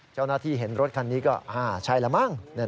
เจ้าหน้าที่เห็นรถคันนี้ก็ใช่แล้วมั้ง